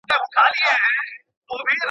وني بې اوبو نه لویږي.